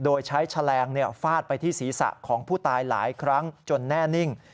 โดยใช้แฉลงฟาดไปที่ศีรษะของผู้ตายหลายครั้งจนแน่นิ่ง